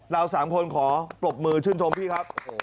เราสามคนขอปรบมือชมนุยกันครับ